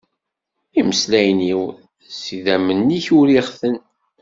Imeslayen-iw s yidammen-ik uriɣ-ten.